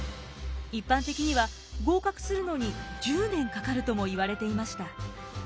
一般的には合格するのに１０年かかるともいわれていました。